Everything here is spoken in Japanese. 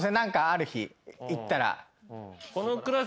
ある日行ったら。